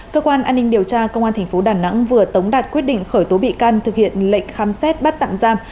cơ quan an ninh điều tra công an tp đà nẵng vừa tống đạt quyết định khởi tố bị can thực hiện lệnh khám xét bắt tạm giam